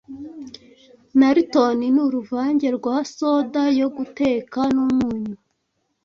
Narton ni uruvange rwa soda yo guteka n'umunyu